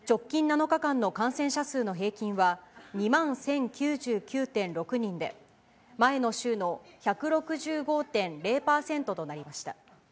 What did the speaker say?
直近７日間の感染者数の平均は２万１０９９．６人で、前の週の１６５．０％となりました。